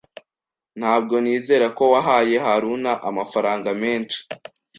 Ntabwo nizera ko wahaye Haruna amafaranga menshi.